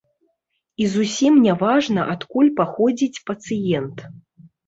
І зусім не важна, адкуль паходзіць пацыент.